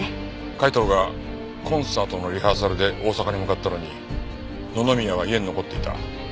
海東がコンサートのリハーサルで大阪に向かったのに野々宮は家に残っていた。